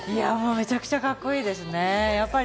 めちゃくちゃカッコいいですね。